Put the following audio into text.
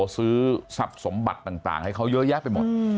ซื้อทรัพย์สมบัติต่างให้เขาเยอะแยะไปหมด